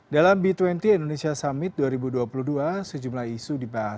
dalam b dua puluh indonesia summit dua ribu dua puluh dua sejumlah isu dibahas